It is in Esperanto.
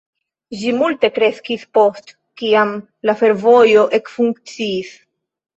Ĝi multe kreskis post kiam la fervojoj ekfunkciis.